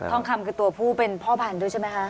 ทองคำคือตัวผู้เป็นพ่อพันธุ์ด้วยใช่ไหมคะ